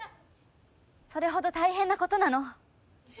それほど大変なことなの。